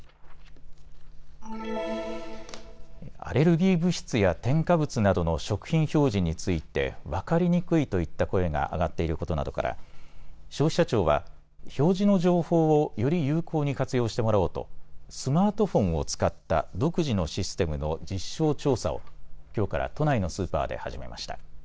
アレルギー物質や添加物などの食品表示について分かりにくいといった声が上がっていることなどから消費者庁は表示の情報をより有効に活用してもらおうとスマートフォンを使った独自のシステムの実証調査をきょうから都内のスーパーで始めます。